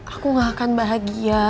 aku gak akan bahagia